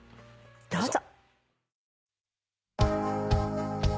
どうぞ。